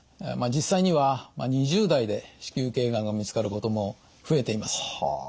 実際には２０代で子宮頸がんが見つかることも増えています。